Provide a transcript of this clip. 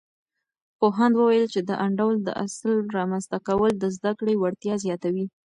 پوهاند وویل، چې د انډول د اصل رامنځته کول د زده کړې وړتیا زیاتوي.